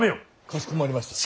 かしこまりました。